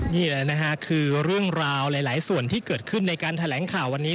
นี่แหละนะฮะคือเรื่องราวหลายส่วนที่เกิดขึ้นในการแถลงข่าววันนี้